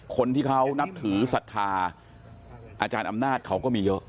คนที่เขานับถือศรัทธาอาจารย์อำนาจเขาก็มีเยอะ